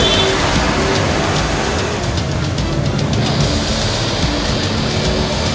ต้องกลับมาด้วย